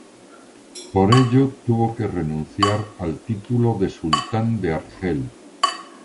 Para ello, tuvo que renunciar al título de Sultán de Argel.